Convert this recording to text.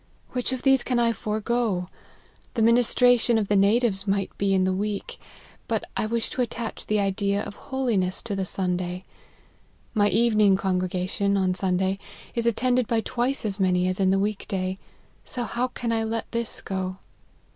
Which of these can I forego ? The ministration of the natives might be in the week : but I wish to attach the idea of holiness to the Sunday. My evening congregation, on Sunday, is attended by twice as many as in the week day ; so how can I let this go?"